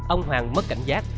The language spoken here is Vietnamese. ông hoàng mất cảnh giác